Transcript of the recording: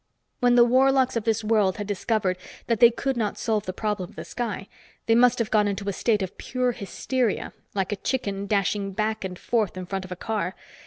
When the warlocks of this world had discovered that they could not solve the problem of the sky, they must have gone into a state of pure hysteria, like a chicken dashing back and forth in front of a car.